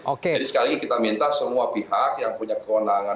jadi sekali lagi kita minta semua pihak yang punya kewenangan